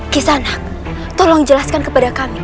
kisah tolong jelaskan kepada kami